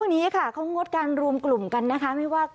วันนี้ค่ะเขางดการรวมกลุ่มกันนะคะ